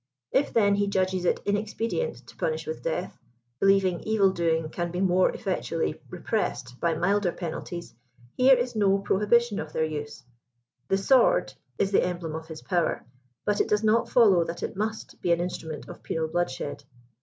If, then, he judges it inexpedient to punish with death, believing evil doing can be more effectually repressed by milder penalties, here is no prohibition of their use* " The sword" is the emblem of his power, but it does not follow that it musi be an inst]^ument of penal bloodshed.